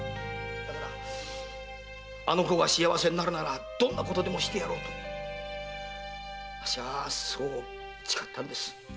あの子が幸せになるならどんなことでもしてやろうとあっしはそう誓ったんです。